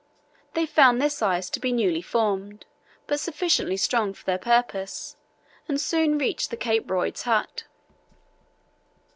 They found this ice to be newly formed, but sufficiently strong for their purpose, and soon reached the Cape Royds hut.